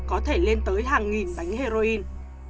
có thể lên tới hàng nghìn bánh heroin